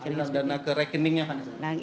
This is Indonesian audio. aliran dana ke rekeningnya kan